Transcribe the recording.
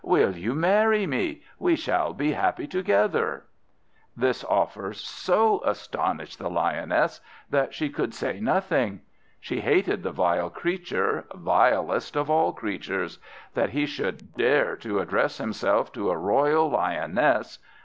Will you marry me? We shall be so happy together!" This offer so astonished the Lioness that she could say nothing. She hated the vile creature, vilest of all creatures; that he should dare to address himself to a royal lioness!